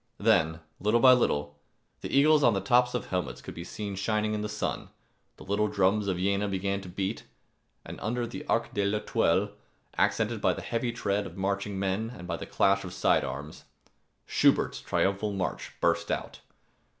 Then, little by little, the eagles on the tops of helmets could be seen shining in the sun, the little drums of Jena began to beat, and under the Arc de L'Etoile, accented by the heavy tread of marching men and by the clash of sidearms, Schubert's Triumphal March burst out.